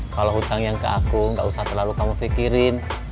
kalau hutang yang ke aku nggak usah terlalu kamu pikirin